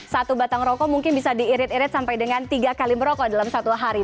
satu batang rokok mungkin bisa diirit irit sampai dengan tiga kali merokok dalam satu hari